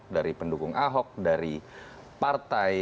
dari pendukung ahok dari partai